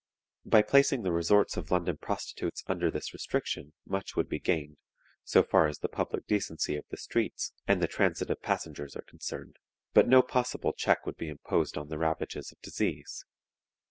By placing the resorts of London prostitutes under this restriction much would be gained, so far as the public decency of the streets and the transit of passengers are concerned, but no possible check would be imposed on the ravages of disease.